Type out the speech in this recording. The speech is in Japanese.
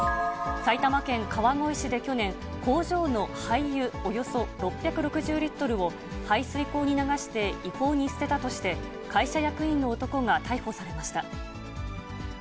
埼玉県川越市で去年、工場の廃油およそ６６０リットルを排水口に流して、違法に捨てたとして、会社役員の男が逮捕されました。